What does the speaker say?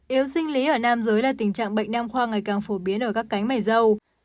yếu sinh lý ở nam giới là tình trạng bệnh nam khoa ngày càng phổ biến ở các cánh my dâu